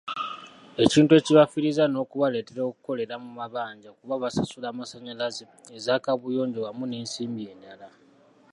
Ekintu ekibafiiriza n'okubaleetera okukolera mu mabanja kuba basasula amasannyalaze, eza kaabuyonjo wamu n'ensimbi endala.